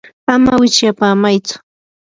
ama wichyapamaytsu.